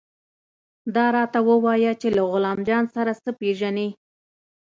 دا راته ووايه چې له غلام جان سره څه پېژنې.